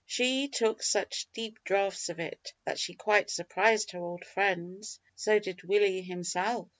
She took such deep draughts of it, that she quite surprised her old friends. So did Willie himself.